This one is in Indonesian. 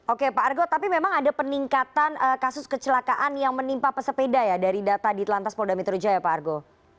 oke pak argo tapi memang ada peningkatan kasus kecelakaan yang menimpa pesepeda ya dari data di telantas polda metro jaya pak argo